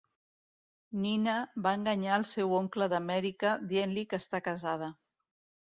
Nina va enganyar al seu oncle d'Amèrica dient-li que està casada.